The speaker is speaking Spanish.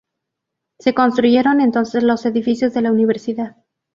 Se construyeron entonces los edificios de la Universidad.